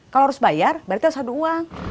kalau harus bayar berarti harus ada uang